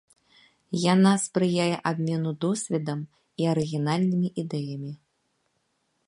Яна спрыяе абмену досведам і арыгінальнымі ідэямі.